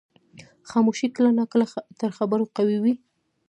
خاموشي کله ناکله تر خبرو قوي وي.